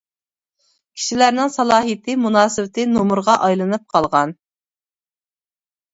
كىشىلەرنىڭ سالاھىيىتى، مۇناسىۋىتى نومۇرغا ئايلىنىپ قالغان.